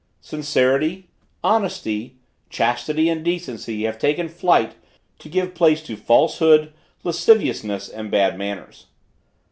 Sincerity, honesty, chastity and decency have taken flight to give place to falsehood, lasciviousness, and bad manners.